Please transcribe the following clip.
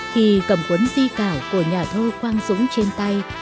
khi cầm cuốn di cảo của nhà thơ quang dũng trên tay